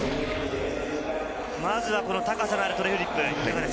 まずは高さがあるトレフリップ。